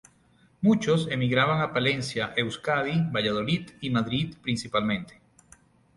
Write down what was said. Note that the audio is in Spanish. Muchos emigraban a Palencia, Euskadi, Valladolid y Madrid principalmente.